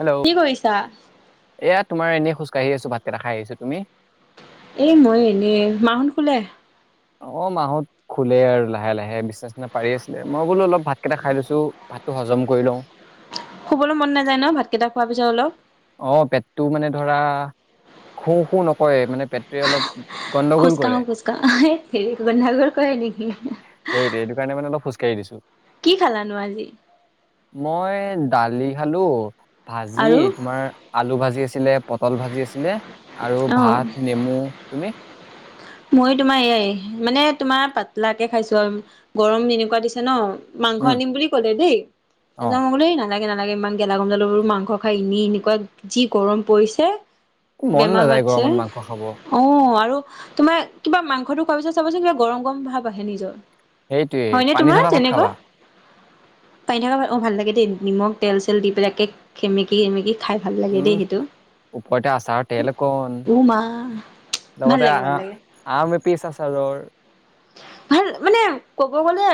Hello কি কৰিছা? এয়া তোমাৰ এনেই খোজ কাঢ়ি আছোঁ। ভাতকেইটা খাই আহিছো। তুমি? এই মই এনেই, মাহঁত শুলে? অ, মাহঁত শুলে আৰু লাহে লাহে বিচনা-চিছনা পাৰি আছিলে। মই বোলো অলপ ভাতকেইটা খাই লৈছো, ভাতটো হজম কৰি লওঁ। শুবলৈ মন নাযায় ন ভাতকেইটা খোৱাৰ পিছত অলপ? অ পেটটো মানে ধৰা শু-শু নকৰে। মানে পেটটোৱে অলপ গণ্ডগোল কৰে খোজকাহো, খোজকাহো, হেইট তেৰি গণ্ডগোল কৰে নেকি? এ এইটো কাৰণে অলপ খোজকাঢ়ি দিছো। কি খালানো আজি? মই দালি খালো, ভাজি আৰু তোমাৰ আলু ভাজি আছিলে, পটল ভাজি আছিলে আৰু অ ভাত, নেমু। তুমি? মইও তোমাৰ এইয়াই মানে তোমাৰ পাতলাকে খাইছো আৰু গৰম যেনেকুৱা দিছে ন। মাংস উম আনিম বুলি ক'লে দেই। অ [unintelligible] নালাগে, নালাগে। ইমান গেলা গৰমডালত বুলো মাংস খাই এনেই এনেকুৱা যি গৰম পৰিছে। মন বেমাৰ নাযায় মাতছে। গৰমত মাংস খাব অ আৰু তোমাৰ কিবা মাংসটো খোৱা পিছত চাবাচোন কিবা গৰম গৰম ভাৱ আহে নিজৰ। সেইটোয়ে হয়নে পানী ঢালা তোমাৰ ভাত খাবা তেনেকুৱা? পানী দিয়া [unintelligible] অ ভাল লাগে দেই। নিমখ, তেল-চেল দি পেলাই একে সেমেকি সেমেকি খাই ভাল লাগে দেই উম সেইটো। ওপৰতে আচাৰৰ তেল অকণ উ মা ভাল লগতে লাগে। ভাল লাগে আ আম এপিছ আচাৰৰ ভাল মানে ক'ব গলে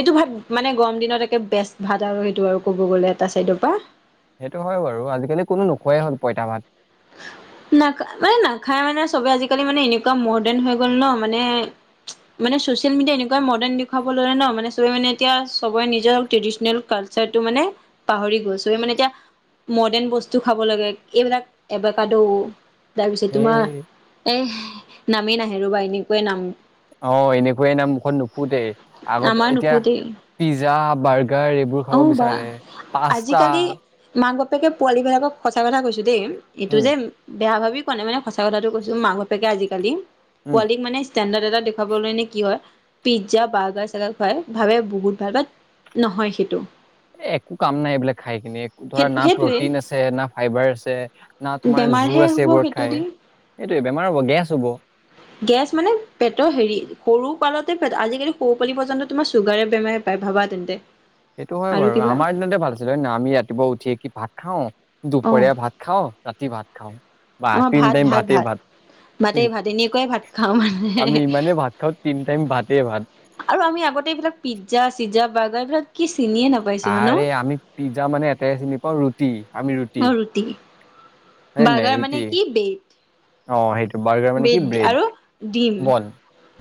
এইটো ভাত মানে গৰম দিনত একে বেষ্ট ভাত আৰু সেইটো আৰু ক'ব গ'লে এটা চাইডৰ পা। সেইটো হয় বাৰু। আজি-কালি কোনো নোখোৱাই হ'ল পইতা ভাত। না নাখাই মানে চবে আজি-কালি মানে এনেকুৱা মৰদেন হৈ গ'ল ন মানে [unintelligible] মানে চচিয়েল মিডিয়াই এনেকুৱাই মডাৰ্ণ দেখুৱাব ললে ন। মানে চবে মানে এতিয়া চবৰে নিজৰ টেডিচনেল কালচাৰটো মানে পাহৰি গল। চবেই মানে এতিয়া মৰ্ডেন বস্তু খাব ললে। এইবিলাক এবাকাদু তাৰপিছত এই তোমাৰ এহ নামেই নাহে ৰ'বা এনেকুৱাই নাম। অ এনেকুৱাই নাম মুখত নুফুটেই। আগতে আমাৰ এতিয়া নুফুতেই পিজ্জা, বাৰ্গাৰ এই বোৰ খাব বিচাৰে। পাস্তা মাক-বাপেকে পোৱালী বিলাকক সঁচা কথা কৈছো দেই, এইটো উম যে বেয়া ভাবি কোৱা নাই মানে সঁচা কথাটো কৈছো। মাক-বাপেকে আজি-কালি উম পোৱালীক মানে ষ্টেণ্ডাৰ্ড এটা দেখুৱাবলৈ নে কি হয়। পিজ্জা, বাৰ্গাৰ-চাৰগাৰ খুৱায়। ভাবে বহুত ভাল। নহয় সেইটো। একো কাম নাই এইবিলাক খাই কিনি। একো ধৰা না সেইটোৱেই প্ৰটিন আছে, না ফাইবাৰ আছে। না তোমাৰ জোৰ বেমাৰহে আছে হ'ব এইবোৰত সেইটো খাই, দি এইটোৱে বেমাৰ হ'ব, গেছ হ'ব। গেছ মানে পেটৰ হেৰি সৰু কালতে, আজি-কালি সৰু পোৱালি পৰ্যন্ত তোমাৰ চুগাৰে বেমাৰে পাই ভাবা তেন্তে। সেইটো হয় আৰু বাৰু কিবা আমাৰ দিনতে ভাল আছিলে হয় ন আমি ৰাতিপুৱা উঠিয়ে কি ভাত খাও অ দুপৰীয়া ভাত ভাত খাওঁ ৰাতি ভাত খাওঁ বা তিন টাইম ভাতেই ভাত। ভাতেই ভাত এনেকুৱাই ভাত খাওঁ মানে আমি ইমানে ভাত খাওঁ তিন টাইম ভাতেই ভাত। আৰু আমি আগতে এইবিলাক পিজ্জা, চিতজা, বাৰ্গাৰ এইবিলাক কি চিনিয়ে নাপ আৰে আমি পিজ্জা মানে এটাই চিনি পাওঁ ৰুটি আমি ৰুটি। ৰুতি। হয় নে নাই বাৰ্গাৰ মানে ৰুটি কি ব্ৰেড, অ সেইটো বাৰ্গাৰ মানে ব্ৰেড আৰু ডিম।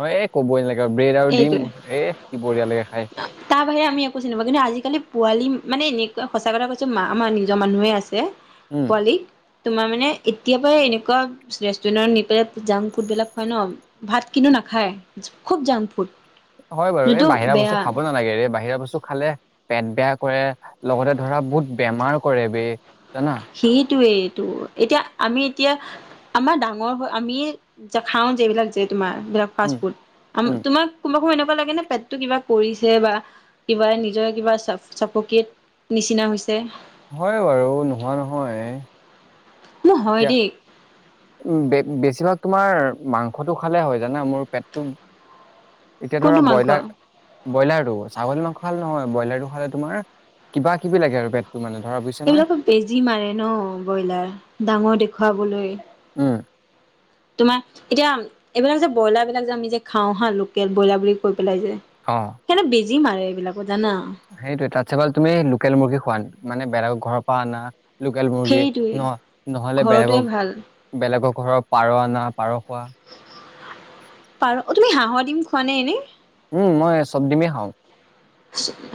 অ', এ কবই নালাগে ব্ৰেড আৰু দিম এইটোৱে এ, কি বঢিয়া লাগে খাই। তাৰ বাহিৰে আমি একো চিনি পাওঁ কিন্তু আজিকালি পোৱালি মানে এনেকোৱা সঁচা কথা কৈছোঁ আমাৰ নিজৰ মানুহে আছে। উম পোৱালি। তোমাৰ মানে এতিয়া পৰা এনেকুৱা ৰেষ্টুৰেন্টত নি পেলাই জাংক ফুড বিলাক খোৱাই ন। ভাত কিন্তু নাখায় খুব জাংক ফুড। হয় বাৰু এই যোনটো বাহিৰা বেয়া বস্তু খাব নালাগেৰে বাহিৰা বস্তু খালে পেট বেয়া কৰে লগতে ধৰা বহুত বেমাৰ কৰে বে জানা? সেইটোৱেইটো এতিয়া আমি এতিয়া আমাৰ ডাঙৰ আমি এ খাওঁ যে এই বিলাক যে তোমাৰ এইবিলাক ফাৰ্ষ্ট উম ফুড উম তোমাৰ [unintelligible] এনেকুৱা লাগে নে পেত কিবা কৰিছে বা কিবা নিজৰ কিবা [unintelligible] নিচিনা হৈছে। হয় বাৰু নোহোৱা নহয়। মোৰ হয় দেই। উম বেছিভাগ তোমাৰ মাংসটো খালে হয় জানা, মোৰ পেটটো এতিয়া ধৰা কোনটো মাংস ব্ৰইলাৰ ব্ৰইলাৰটো, ছাগলী মাংস খালে নহয় ব্ৰইলাৰটো খালে তোমাৰ কিবা কিবি লাগে আৰু পেতটো মানে ধৰা নহয় এইবিলাকো বেজি মাৰে ন ব্ৰইলাৰ ডাঙৰ দেখুৱাবলৈ। উম। তোমাৰ এতিয়া এইবিলাক যে ব্ৰইলাৰ বিলাক যে আমি যে খাওঁ হা, লোকেল ব্ৰইলাৰ বুলি কৈ পেলাই যে অ'। সিহঁতে বেজি মাৰে এইবিলাকত জানা। সেইটোয়ে তাত চে ভাল তুমি লোকেল মুৰ্গী খোৱা মানে বেলেগ ঘৰৰ পৰা অনা। লোকেল মুৰ্গী সেইটোৱে ন নহ'লে ঘৰটোৱে বেলেগক ভাল বেলেগৰ ঘৰৰ পাৰ আনা পাৰ খোৱা। পাৰ অ' তুমি হাঁহৰ দিম খোৱানে এনেই? উম মই চব ডিমেই খাওঁ।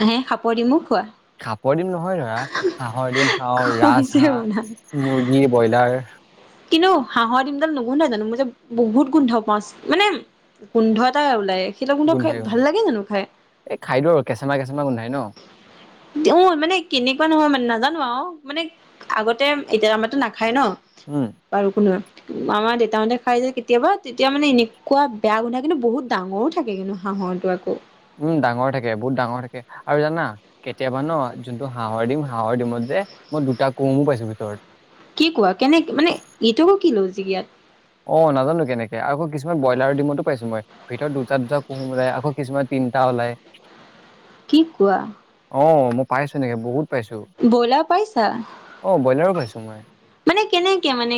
হে সাপৰ ডিমো খোৱা? শাপৰ ডিম নহয় ধৰা হাঁহৰ ডিম খাওঁ, ৰাজ কৈছে হাঁহ, শুনা। মুৰ্গী, ব্ৰইলাৰ। কিন্তু হাঁহৰ দিমডাল নুগোন্ধাই জানো মই যে বহুত গোন্ধ পাওঁ মানে গোন্ধ এটা ওলাই সেইটো গোন্ধ খাই গোন্ধাই ভাল গোন্ধাই লাগে জানো খাই। এই খাই দিওঁ আৰু কেঁচমা কেঁচমা গোন্ধাই ন। অ' মানে কেনেকুৱা নহয় মানে নাজানো আৰু মানে আগতে এতিয়া আমাৰটো নাখায় ন। উম। বাৰু [unintelligible] আমাৰ দেউতাহঁতে খাই যে কেতিয়াবা তেতিয়া মানে এনেকুৱা বেয়া গোন্ধায় কিন্তু বহুত ডাঙৰো থাকে কিন্তু। হাঁহৰটো আকৌ। উম, ডাঙৰ থাকে বহুত ডাঙৰ থাকে আৰু জানা কেতিয়াবা ন যোনটো হাঁহৰ ডিম হাঁহৰ ডিমত যে মই দুটা কোহোমো পাইছো ভিতৰত। কি কোৱা কেনেকে মানে এইটো কি লজিক ইয়াত অ' নাজানো কেনেকে আকৌ কিছুমান ব্ৰইলাৰ দিমতো পাইছো মই। ভিতৰত দুটা দুটা কুহুম ওলায় আকৌ কিছুমানত তিনটা ওলায়। কি কোৱা? অ' মই পাইছো এনেকে বহুত পাইছো ব্ৰইলাৰ পাইছা? অ' ব্ৰইলাৰো পাইছো মই। মানে কেনেকে মানে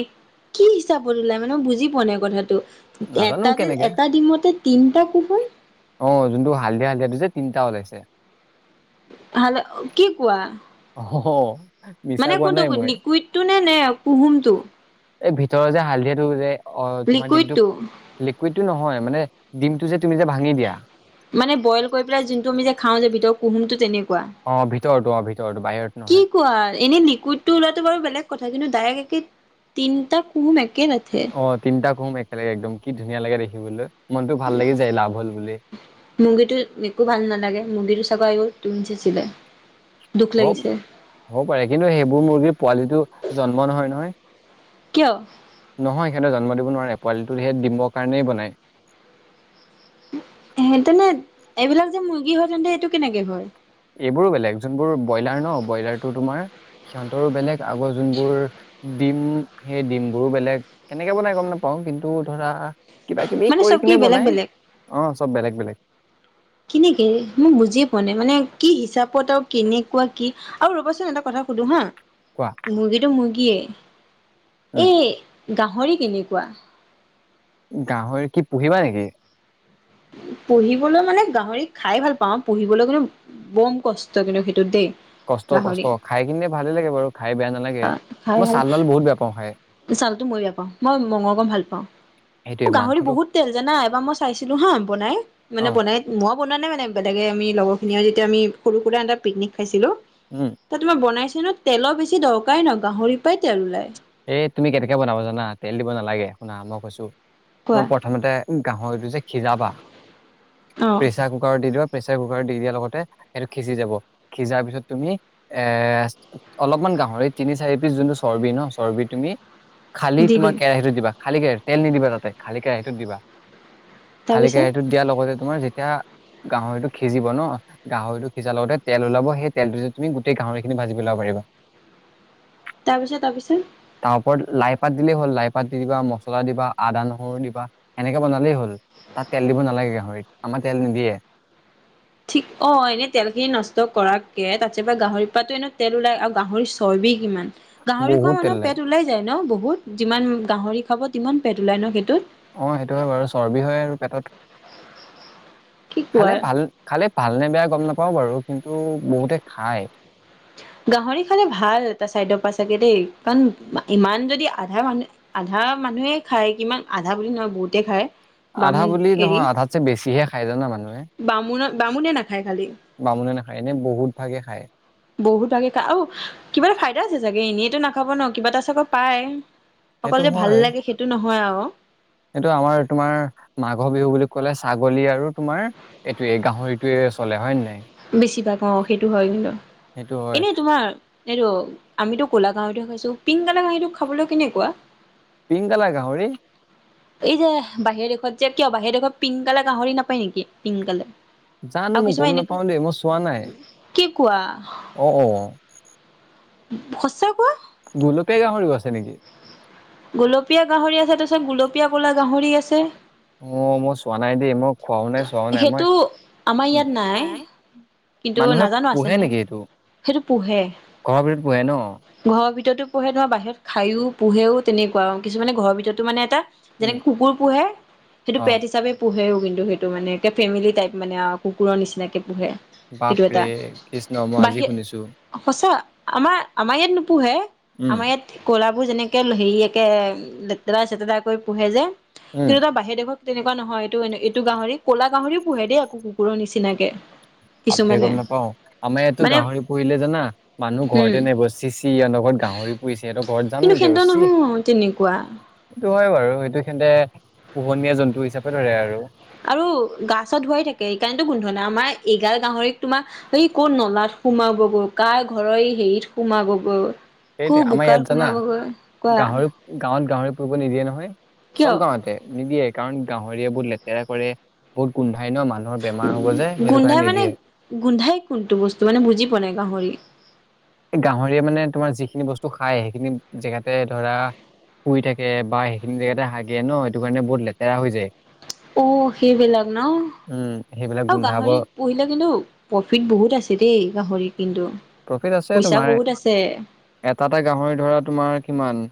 কি হিচাপত ওলাই মানে মই বুজি পোৱা নাই কথাটো। নাজানো এটা কেনেকে এটা ডিমতে তিনটা কুহুম। অ যোনটো হালধিয়া, হালধিয়াটো যে তিনিটা ওলাইছে। হেল্ল কি কোৱা? অহহ। মানে কোনটো লিকুইডটো নে, নে কুহুমটো এই ভিতৰৰ যে হালধিয়া টো যে অ তোমাৰ দিমটো লিকুইডটো লিকুইডটো নহয় মানে ডিমটো যে তুমি যে ভাঙি দিয়া। মানে বইল কৰি পেলাই যোনটো আমি যে খাওঁ যে ভিতৰ কুহুমটো তেনেকুৱা। অ ভিতৰতো অ ভিতৰতো বাহিৰত কি নহয় কোৱা এনে লিকুইড টো ওলাতো বাৰু বেলেগ কথা কিন্তু ডাইৰেকট একে তিনিটা কুহুম একে ৰাইত অ তিনিটা কহুম একেলগে একদম কি ধুনীয়া লাগে দেখিবলৈ মনতটো ভাল লাগি যায় লাভ হল বুলি। মুৰ্গীটো একো ভাল নালাগে মুৰ্গীটো চাবা আয়ুস তুন চেচিলে। হব হ'ব পাৰে কিন্তু সেইবোৰ মুৰ্গীৰ পোৱালিটো জন্ম নহয় নহয়। কিয়? নহয় সিহঁতে জন্ম দিব নোৱাৰে পোৱালিটো সেই দিমৰ কাৰণেই বনায়। তেনে এইবিলাক যে মুৰ্গী হয় তেন্তে সেইটো কেনেকে হয়? এইবোৰ বেলেগ যোনবোৰ ব্ৰইলাৰ ন ব্ৰইলাৰটো তোমাৰ সিহঁতৰো বেলেগ আগৰ যোনবোৰ ডিম সেই ডিমবোৰো বেলেগ কেনেকে বনাই গম নাপাওঁ কিন্তু ধৰা কিবা কিবি মানে চব কৰি কি কিনে বেলেগ বনাই বেলেগ অ চব বেলেগ বেলেগ। কেনেকে মোক বুজিয়ে পোৱা নাই মানে কি হিচাপত আৰু কেনেকুৱা কি আৰু ৰ'বাচোন এটা কথা সুধো হা? কোৱা মুৰ্গীটো মুৰ্গীয়ে উম এই গাহৰি কেনেকুৱা? গাহৰি কি পুহিবা নেকি? পুহিবলৈ মানে গাহৰি খাই ভাল পাওঁ পুহিবলৈ কিনো বম কষ্ট কিন্তু সেইটোত দেই। কষ্ট কষ্ট গাহৰি খাই কিনে ভালেই লাগে বাৰু খাই বেয়া নালাগে মই ছাল তাল বহুত বেয়া পাওঁ খাই। চালতো মই বেয়া পাওঁ মই মংস অকল ভাল পাওঁ। সেইটোৱে গাহৰি মাংসটো বহুত তেল জানা এবাৰ মই চাইছিলো হা বনাই মানে অ বনাই মই বনোৱা নাই মানে বেলেগে আমি লগৰখিনিয়ে যেতিয়া আমি সৰু হুয়া এটা পিকনিক খাইছিলো উম তাত মই বনাইছো ন তেলৰ বেছি দৰকাৰে নাই গাহৰি পাই তেল ওলাই। এই তুমি কেনেকে বনাব জানা তেল দিব নালাগে, শুনা মই কৈছো কোৱা তোমাক প্ৰথমতে গাহৰিটো যে সিজাবা অ প্ৰেচাৰ কুকাৰত দি দিবা প্ৰেচাৰ কুকাৰত দি দিয়া লগতে সেইটো সিজি যাব। সিজাৰ পিছত তুমি এ অলপমান গাহৰি তিনি চাৰি পিচ যোনটো চৰ্বি ন চৰ্বি তুমি খালি দি তোমাৰ দিম কেৰাহীতো দিবা। খালী কেৰাহীত তেল নিদিবা তাতে খালী কেৰাহীটোত দিবা খালী তাৰপিছত কেৰাহীটোত তেতিয়াৰ লগতে তোমাৰ যেতিয়া গাহৰিটো সিজিব ন গাহৰিটো সিজাৰ লগতে তেল ওলাব সেই তেলটো যে তুমি গোটেই গাহৰি খিনি ভাজি পেলাব পাৰিবা। তাপিছত তাপিছত তাৰ ওপৰত লাই পাত দিলেই হ'ল। লাই পাত দি দিবা মছলা দিবা আদা নহৰু দিবা এনেকে বনালেই হ'ল। তাত তেল দিব নালাগে গাহৰিত আমাৰ তেল নিদিয়ে। ঠিক অ এনেই তেলখিনি নষ্ট কৰাতকে তাছপা গাহৰিৰ পাতো এনেই তেল ওলায় আৰু গাহৰি চৰ্বি কিমান গাহৰি খোৱা বহুত তেল মানুহ লাগে পেট ওলাই যায় ন বহুত। যিমান গাহৰি খাব তিমান পেট ওলাই ন সেইটোত। অ সেইটো হয় বাৰু চৰ্বি হয় আৰু পেটত কি কোৱা খালে ভাল খালে ভালনে বেয়া গম নাপাও বাৰু কিন্তু বহুতে খায়। গাহৰি খালে ভাল এটা ছাইডৰ পা চাগে দেই কাৰণ ইমান যদি আধা মানুহ- আধা মানুহে খায় কিমান, আধা বুলি নহয় বহুতে খায়। আধা বামুণ বুলি এৰি নহয় আধাতছে বেছিহে খাই জানা মানুহে। বামুণৰ বামুণে নাখায় খালি বামুণে নাখায় এনে বহুত ভাগে খায়। বহুত ভাগে খা আও কিবা এটা ফাইদা আছে চাগে এনেইটো নাখাব ন কিবা এটা চাগে পায়। অকল সেইটো যে ভাল লাগে সেইটো নহয় আও। এইটো আমাৰ তোমাৰ মাঘৰ বিহু বুলি ক'লে ছাগলী আৰু তোমাৰ', এইটোৱে গাহৰিটোৱে চলে হয় নে', বেছি ভাগ অহ', সেইটো হয় কিন্তু সেইটো হয় এনেই তোমাৰ', এইটো আমিতো ক'লা গাহৰিতো খাইছোঁ, পিংক কালাৰ গাহৰিটো খাবলৈ কেনেকুৱা? পিংক কালাৰ গাহৰি? এই যে', বাহিৰ দেশত যে কিয় বাহিৰ দেশত পিংক কালাৰ গাহৰি নাপায় নেকি পিংক কালাৰ? জানোঁ, আৰু মই কিছুমান গম এনেকুৱা নাপাওঁ দেই, মই চোৱা নাই, কি কোৱা অ', অ', সচাঁ কোৱা? গোলপীয়া গাহৰিও আছে নেকি? গোলপীয়া গাহৰি আছে, তাৰপিছত গোলপীয়া ক'লা গাহৰি আছে', অ', মই চোৱা নাই দেই, মই খোৱাও নাই চোৱাও নাই মই, সেইটো আমাৰ ইয়াত উহ্', নাই', কিন্তু মানুহে নাজানো আছে পোহে নে নাই নেকি এইটো', সেইটো পোহে ঘৰৰ ভিতৰত পোহে ন? ঘৰৰ ভিতৰতো পোহে, ধৰ বাহিৰত খায়ো পোহেও তেনেকুৱা, কিছুমানে ঘৰৰ ভিতৰতো মানে এটা', উম যেনেকে কুকুৰ পোহে, সেইটো অ পেট হিচাপে পোহেও কিন্তু সেইটো', সেইটো মানে এটা ফেমিলি টাইপ মানে কুকুৰৰ নিচিনাকে পোহে', সেইটো এটা বাপৰে, কৃষ্ণ মই বাহি আজি শুনিছোঁ', সঁচা', আমাৰ', আমাৰ ইয়াত নোপোহে উম আমাৰ ইয়াত', কলাবোৰ যেনেকে হেৰি একে লেতেৰা চেতেৰা কৰি পোহে যে কিন্তু উম সিহঁতৰ বাহিৰ দেশত', তেনেকুৱা নহয়', এইটো এ এইটো গাহৰি ক'লা গাহৰি পোহে দেই আকৌ কুকুৰৰ নিচিনাকে', বাপৰে, কিছুমানে গম নাপাওঁ', আমাৰ ইয়াতো মানে গাহৰি পুহিলে জানা মানুহ উম ঘৰতে নেব', চি', - চি', সিহঁতৰ ঘৰত গাহৰি পুহিছে সিহঁতৰ ঘৰত যাম কিন্তু নেকি আৰু সেনতৰ চি', নহয় তেনেকুৱা সেইটো হয় বাৰু সেইটো সেন্তে পোহনীয়া জন্তু হিচাপে ধৰে আৰু', আৰু গা চা ধোৱাই থাকে সেইকাৰণেতো গোন্ধৱা নাই, আমাৰ এইগাল গাহৰিক তোমাৰ', ই কৰ নলাত সোমাবগৈ, কাৰ ঘৰৰ এই হেৰিত সোমাবগৈ', কো সেইটোৱে আমাৰ ইয়াত বোকাৰ জানা সোমাবগৈ, কোৱা', গাহৰি গাঁৱত গাহৰি পুহিব নিদিয়ে নহয়', কিয় চব গাঁৱতে নিদিয়ে', কাৰণ গাহৰিয়ে বহুত লেতেৰা কৰে বহুত গোন্ধাই নো', মানুহ', গোন্ধাই মানে', গোন্ধাই কোনটো বস্তু মানে বুজি পোৱা নাই গাহৰিৰ', এই গাহৰিয়ে মানে তোমাৰ যিখিনি বস্তু খায় সেইখিনি জেগাতে ধৰা', শুই থাকে বা সেইখিনি জেগাতে হাগে ন', সেইটো কাৰণে বহুত লেতেৰা হৈ যায়', অ', সেইবিলাক ন উম সেইবিলাক আৰু গোন্ধাব গাহৰি', পুহিলে কিন্তু প্ৰফ্টিট বহুত আছে দেই গাহৰিৰ কিন্তু', প্ৰফ্টিট আছে পইচা তোমাৰ বহুত আছে এটা এটা গাহৰি ধৰা তোমাৰ কিমান',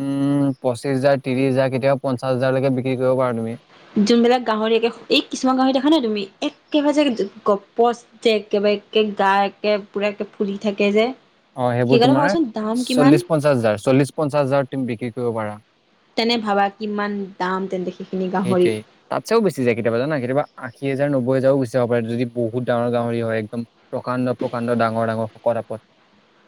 উম', পঁচিছ হাজাৰ ত্ৰিশ হাজাৰ কেতিবা পঞ্চাশ হাজাৰলৈকে বিক্ৰী কৰিব পাৰা তুমি', যোনবিলাক গাহৰি একে এই কিছুমান গাহৰি দেখা নাই তুমি একেবাৰে যে গপচ', যে একেবাৰে একে গা একে পুৰা একে ফুলি থাকে যে? অ', সেইবোৰ সেইকাৰণে তোমাৰ ভাবাচোন দাম কিমান চল্লিশ পঞ্চাশ হাজাৰ চল্লিশ পঞ্চাশ হাজাৰত তুমি বিক্ৰী কৰিব পাৰা', তেনে ভাবা', কিমান দাম তেন্তে সেইখিনি গাহৰি', তাত চেও বেছি যায় কেতিয়াবা জানা, কেতিয়াবা আশী হাজাৰ নব্বৈ হাজাৰও গুছি যাব পাৰে যদি বহুত ডাঙৰ গাহৰি হয়', একদম। প্ৰকাণ্ড প্ৰকাণ্ড ডাঙৰ ডাঙৰ শকত শকত',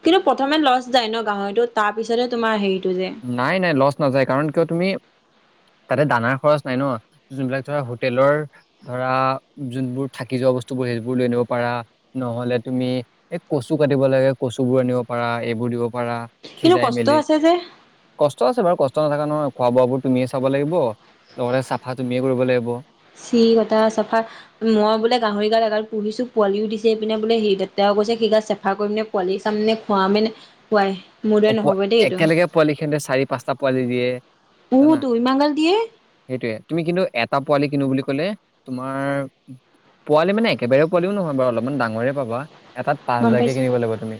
কিন্তু প্ৰথমে লছ যায় ন গাহৰিটো, তাৰপিছতে তোমাৰ হেৰিটো যে', নাই, -নাই, লছ নাযায় কাৰণ কিয় তুমি', তাতে দানাৰ খৰচ নাই ন', যোনবিলাক ধৰা হোটেলৰ', ধৰা', যোনবোৰ থাকি যোৱা বস্তুবোৰ সেইবোৰ লৈ আনিব পাৰা', নহ'লে তুমি এই কচু কাটিব লাগে কচু বোৰ আনিব পাৰা এইবোৰ দিব পাৰা', কিন্তু সিজাই কষ্ট মেলি আছে যে? কষ্ট আছে বাৰু কষ্ট নাথাকা নহয়', খোৱা বোৱ বোৰ তুমিয়ে চাব লাগিব লগতে চাফা তুমিয়ে কৰিব লাগিব', চি কটা চাফা? মই বোলে গাহৰি গাল এগাল পুহিছো পোৱালিও দিছে', এইপিনে বোলে সি লেতেৰাও কৰিছে সেই গাল চেফা কৰিম‌ নে', পোৱালি চাম নে খোৱামেনে পোৱাই', ৰ'দ', অপ একেলগে পোৱালি খিনতে চাৰি, পাঁচটা পোৱালি দিয়ে। উ টো ইমানগাল দিয়ে। সেইটোৱে, তুমি কিন্তু এটা পোৱালি কিনো বুলি ক'লে তোমাৰ পোৱালি মানে একেবাৰে পোৱালিও নহয় বাৰু। অলপমান ডাঙৰে পাবা, এটাত পাঁচ গম হাজাৰকে পাইছে কিনিব লাগিব তুমি।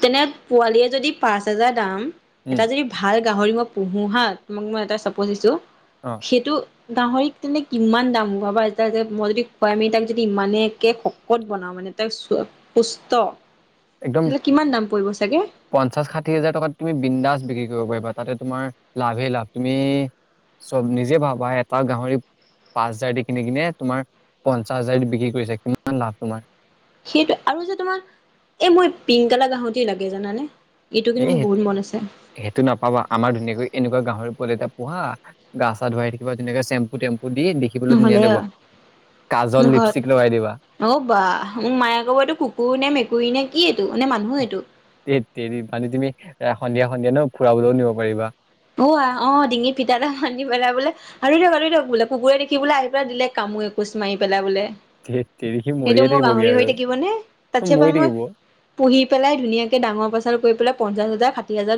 তেনে পোৱালিয়ে যদি পাঁচ হাজাৰ দাম, এটা উম যদি ভাল গাহৰি মই পোহো হা। তোমাক মই এটা চাপজ দিছো, অ সেইটো গাহৰিক তেন্তে কিমান দাম ভাবা। যেতিয়া যে মই যদি খুৱাই মেলি তাক যদি ইমানকে শকত বনাওঁ। মানে [unintelligible] পুষ্ট, সেইবিলাক কিমান দাম পৰিব চাগে? পঞ্চাছ, ষাঠি হাজাৰ টকাত তুমি বিন্দাজ বিক্ৰী কৰিব পাৰিবা। তাতে তোমাৰ লাভেই লাভ, তুমি চব নিজে ভাবা এটা গাহৰি পাঁচ হাজাৰ দি কিনি কিনে তোমাৰ পঞ্চাছ হাজাৰ দি বিক্ৰী কৰিছে কিমান লাভ তোমাৰ। সেইটো আৰু যে তোমাৰ এই মই পিংক কালাৰ গাহৰিটোৱে লাগে জানানে? এইটো কিন্তু এই মোৰ সেই- বহুত মন আছে। সেইটো নাপাবা। আমাৰ ধুনীয়াকৈ এনেকুৱা গাহৰি পোৱালী এটা পোহা গা-চা ধুৱাই থাকিবা তেনেকে চেম্পু-তেম্পু দি। দেখি দেখিবলৈ ধুনীয়া নহ'লে লাগিব। কাজল, মোৰ ঘৰত লিপষ্টিক লগাই দিবা। অ' বাহ! মোক মায়ে ক'ব এইটো কুকুৰ নে মেকুৰী নে কি এইটো নে মানুহ এইটো? এত তেৰি মানে তুমি সন্ধিয়া- সন্ধিয়া ন ফুৰাবলৈও নিব পাৰিবা। অ আ, অ ডিঙিত ফিটা এটা বান্ধি পেলাই বোলে আতৰি দিয়ক, আতৰি দিয়ক বোলে কুকুৰে দেখি বোলে আহি পেলাই দিলে কামোৰি খুছ মাৰি পেলাই বোলে। ধেৎ তেৰি সি সেইটো মৰিয়ে মোৰ থাকিবগে গাহৰি হৈ আৰু থাকিব নে? তাতছে ভাল মৰি মই থাকিব পুহি পেলাই ধুনীয়াকে ডাঙৰ পচাৰ কৰি পেলাই পঞ্চাছ হাজাৰ, ষাঠি হাজাৰত